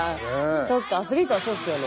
そっかアスリートはそうっすよね。